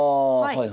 はい。